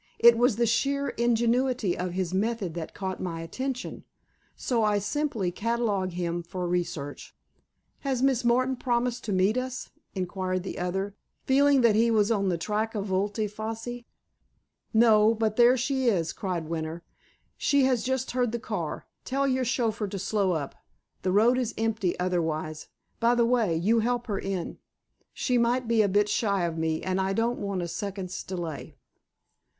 It was the sheer ingenuity of his method that caught my attention. So I simply catalogue him for research." "Has Miss Martin promised to meet us?" inquired the other, feeling that he was on the track of volte face. "No. But there she is!" cried Winter. "She has just heard the car. Tell your chauffeur to slow up. The road is empty otherwise. By the way, you help her in. She might be a bit shy of me, and I don't want a second's delay."